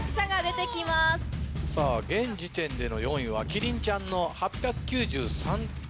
現時点の４位はキリンちゃんの８９３点。